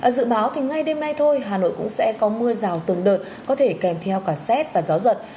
dự báo thì ngay đêm nay thôi hà nội cũng sẽ có mưa rào từng đợt có thể kèm theo cả xét và gió giật